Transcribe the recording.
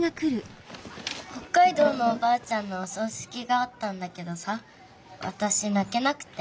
北海道のおばあちゃんのおそうしきがあったんだけどさわたしなけなくて。